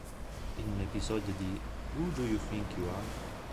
In un episodio di "Who Do You Think You Are?